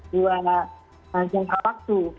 dua jangka waktu